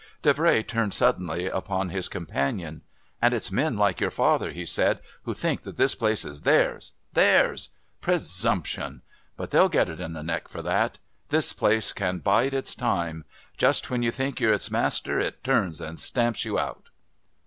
Davray turned suddenly upon his companion. "And it's men like your father," he said, "who think that this place is theirs.... Theirs! Presumption! But they'll get it in the neck for that. This place can bide its time. Just when you think you're its master it turns and stamps you out."